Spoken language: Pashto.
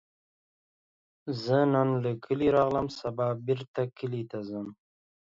زه نن له کلي راغلم، سبا بیرته کلي ته ځم